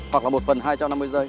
hoặc là một phần hai trăm năm mươi giây